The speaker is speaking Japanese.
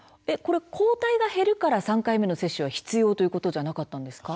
抗体が減るから３回目の接種が必要ということではなかったんですか。